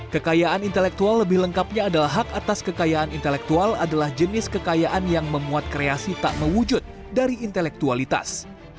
kekayaan intelektual lebih lengkapnya adalah hak atas kekayaan intelektual adalah jenis kekayaan yang memuat kreasi tak mewujud dari intelektualitas